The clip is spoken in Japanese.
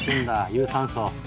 有酸素。